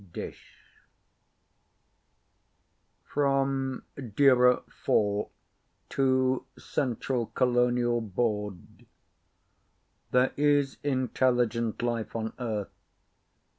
DISCH From DIRA IV To Central Colonial Board There is intelligent life on Earth.